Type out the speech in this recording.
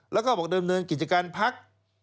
แล้วก็บอกเดิมเนินกิจการพัก